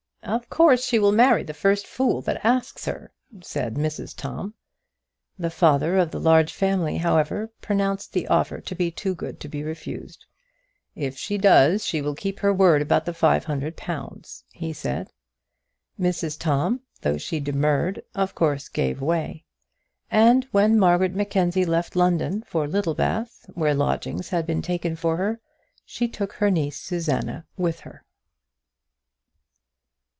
"Of course she will marry the first fool that asks her," said Mrs Tom. The father of the large family, however, pronounced the offer to be too good to be refused. "If she does, she will keep her word about the five hundred pounds," he said. Mrs Tom, though she demurred, of course gave way; and when Margaret Mackenzie left London for Littlebath, where lodgings had been taken for her, she took her niece Susanna with her.